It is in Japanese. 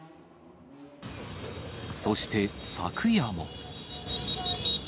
そして昨夜も。